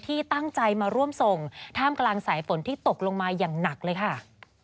ที่ตั้งใจมาร่วมส่งท่ามกลางสายฝนที่ตกลงมาอย่างหนักเลยค่ะ